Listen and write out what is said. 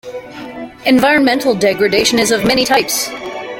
Environmental degradation is of many types.